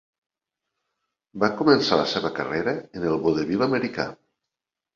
Va començar la seva carrera en el vodevil americà.